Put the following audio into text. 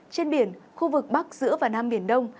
trên biển khu vực bắc giữa và nam biển đông